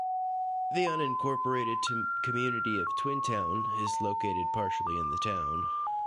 The unincorporated community of Twin Town is located partially in the town.